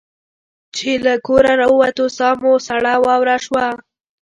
چې له کوره را ووتو ساه مو سړه واوره شوه.